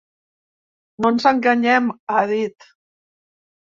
No ens enganyem, ha dit.